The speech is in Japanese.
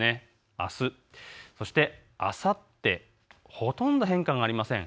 あす、そしてあさって、ほとんど変化がありません。